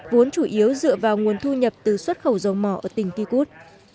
vốn chủ yếu dựa vào nguồn thu nhập từ xuất khẩu dầu mỏ ở tỉnh kikud